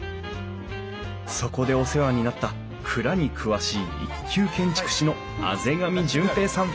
そこでお世話になった蔵に詳しい一級建築士の畔上順平さん